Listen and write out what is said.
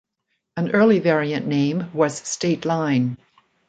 An early variant name was State Line.